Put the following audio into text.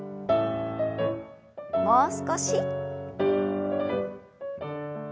もう少し。